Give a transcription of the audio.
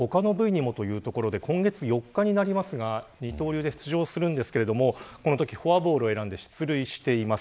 さらには他の部位にもということで、今月４日になりますが二刀流で出場しますがこのときフォアボール選んで出塁してます。